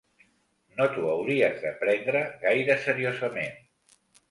No t'ho hauries de prendre gaire seriosament.